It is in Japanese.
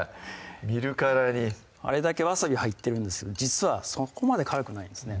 見るからにあれだけわさび入ってるんですが実はそこまで辛くないですね